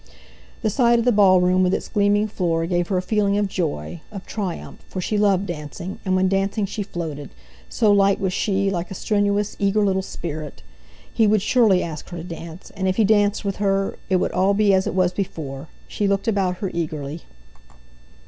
The sight of the ballroom, with its gleaming floor, gave her a feeling of joy, of triumph, for she loved dancing, and when dancing she floated, so light was she, like a strenuous, eager little spirit. He would surely ask her to dance, and if he danced with her it would all be as it was before. She looked about her eagerly.